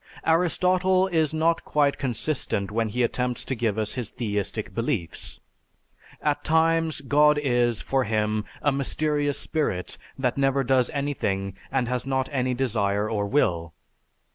Aristotle is not quite consistent when he attempts to give us his theistic beliefs. At times God is, for him, a mysterious spirit that never does anything and has not any desire or will.